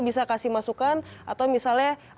bisa kasih masukan atau misalnya